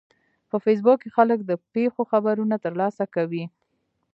په فېسبوک کې خلک د پیښو خبرونه ترلاسه کوي